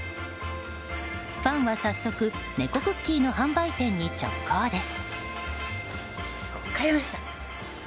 ファンは早速猫クッキーの販売店に直行です。